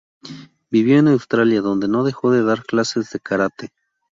Vivió en Australia donde no dejó de dar clases de karate.